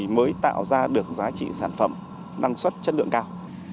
mới tạo ra được giá trị sản phẩm năng suất chất lượng cao